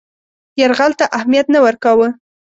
یرغل ته اهمیت نه ورکاوه.